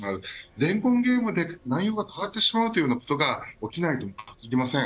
伝言ゲームで内容が変わってしまうようなことが起きないとは限りません。